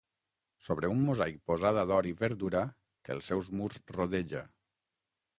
Sobre un mosaic posada d'or i verdura que els seus murs rodeja.